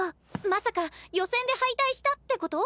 まさか予選で敗退したってこと？